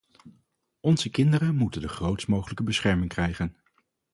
Onze kinderen moeten de grootst mogelijke bescherming krijgen.